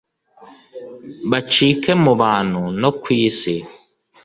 bacike mu bantu no ku isi